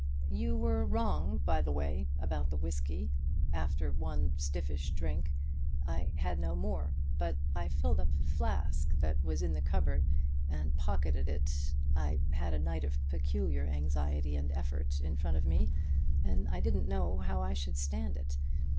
"You were wrong, by the way, about the whisky. After one stiffish drink I had no more; but I filled up a flask that was in the cupboard, and pocketed it. I had a night of peculiar anxiety and effort in front of me, and I didn't know how I should stand it.